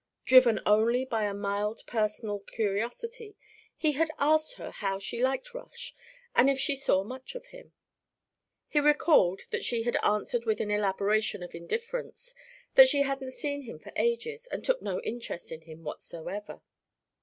Driven only by a mild personal curiosity, he had asked her how she liked Rush and if she saw much of him; he recalled that she had answered with an elaboration of indifference that she hadn't seen him for ages and took no interest in him whatever.